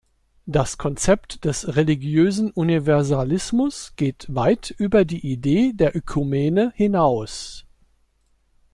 Das Konzept des religiösen Universalismus geht weit über die Idee der Ökumene hinaus.